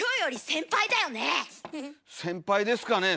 先輩ですかね？